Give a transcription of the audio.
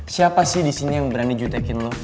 siapa sih disini yang berani jutekin lo